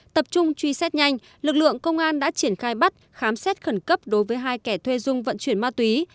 tập trung truy xét nhanh lực lượng công an đã triển khai bắt khám xét khẩn cấp đối với hai kẻ thuê dung vận chuyển ma túy